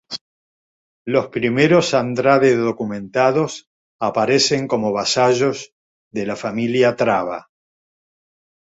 Los primeros Andrade documentados aparecen como vasallos de la familia Traba.